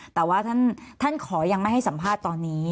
แต่ว่าท่านขอยังไม่ให้สัมภาษณ์ตอนนี้